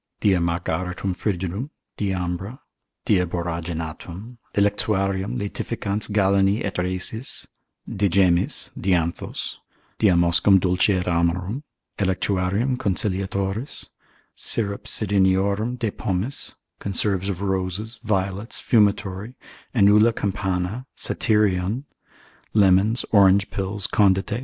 Diamargaritum frigidum, diambra, diaboraginatum, electuarium laetificans Galeni et Rhasis, de gemmis, dianthos, diamoscum dulce et amarum, electuarium conciliatoris, syrup. Cidoniorum de pomis, conserves of roses, violets, fumitory, enula campana, satyrion, lemons, orange pills, condite, &c.